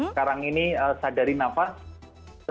sekarang ini sadari nafas